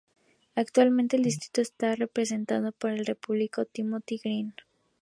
Actualmente el distrito está representado por el Republicano Timothy Griffin.